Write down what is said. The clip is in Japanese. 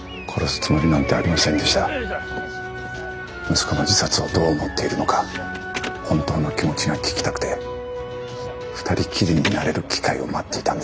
息子の自殺をどう思っているのか本当の気持ちが聞きたくて２人きりになれる機会を待っていたんです。